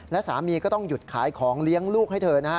และสามีก็ต้องหยุดขายของเลี้ยงลูกให้เธอนะฮะ